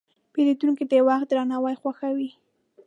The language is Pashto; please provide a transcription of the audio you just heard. پیرودونکی د وخت درناوی خوښوي.